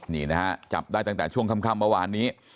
นี่นะฮะจับได้ตั้งแต่ช่วงค่ำเมื่อวานนี้